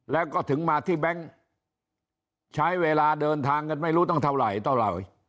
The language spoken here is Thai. แล้วก็ถึงมาที่แบงค์ใช้เวลาเดินทางไม่รู้ตั้งเท่าไหร่